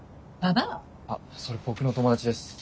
あそれ僕の友達です。